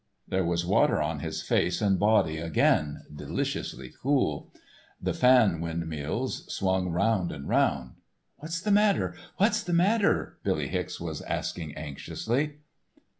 _" There was water on his face and body again, deliciously cool. The fan windmills swung round and round. "What's the matter, what's the matter," Billy Hicks was asking anxiously.